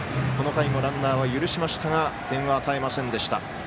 この回もランナーは許しましたが点は与えませんでした。